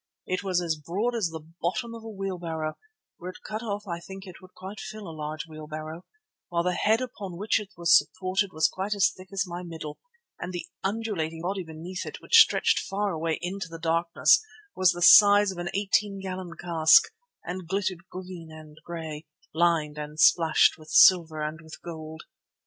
It was as broad as the bottom of a wheelbarrow—were it cut off I think it would fill a large wheelbarrow—while the neck upon which it was supported was quite as thick as my middle, and the undulating body behind it, which stretched far away into the darkness, was the size of an eighteen gallon cask and glittered green and grey, lined and splashed with silver and with gold.